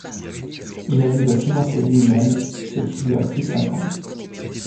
Il a dû le financer lui-même, ce qui lui a pris cinq ans.